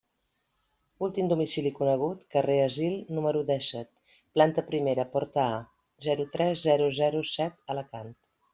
Últim domicili conegut: carrer Asil, número dèsset, planta primera, porta A, zero tres zero zero set, Alacant.